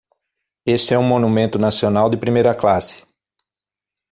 Este é um monumento nacional de primeira classe.